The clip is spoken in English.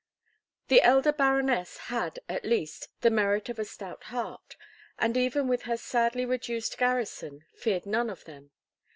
The elder Baroness had, at least, the merit of a stout heart, and, even with her sadly reduced garrison, feared none of them.